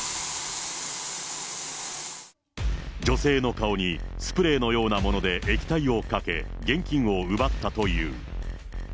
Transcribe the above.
女性の顔にスプレーのようなもので液体をかけ、現金を奪ったという。